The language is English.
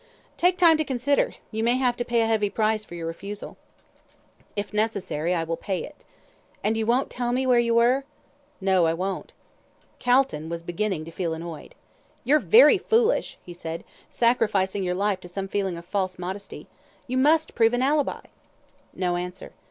"Take time to consider. You may have to pay a heavy price for your refusal." "If necessary, I will pay it." "And you won't tell me where you were?" "No, I won't." Calton was beginning to feel annoyed. "You're very foolish," he said, "sacrificing your life to some feeling of false modesty. You must prove an ALIBI." No answer.